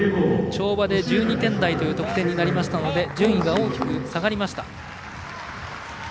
跳馬で１２点台という得点でしたので順位が大きく下がりました。